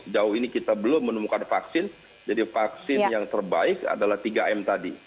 jauh ini kita belum menemukan vaksin jadi vaksin yang terbaik adalah tiga m tadi